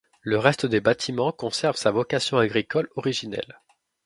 Le reste des bâtiments conserve sa vocation agricole originelle.